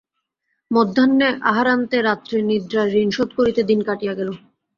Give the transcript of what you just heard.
মধ্যাহ্নে আহারান্তে রাত্রের নিদ্রার ঋণশোধ করিতে দিন কাটিয়া গেল।